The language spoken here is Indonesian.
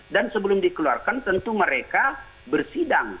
dan sebelum dikeluarkan tentu mereka bersidang